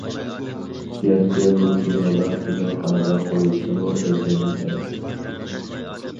گەرچە بۇ كىنولار كىنوخانىدا قويۇلسىمۇ، ئۆلچەملىك ئەمەس.